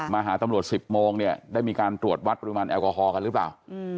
หาตำรวจ๑๐โมงเนี่ยได้มีการตรวจวัดปริมาณแอลกอฮอลกันหรือเปล่า